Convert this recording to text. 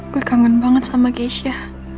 gue kangen banget sama gysha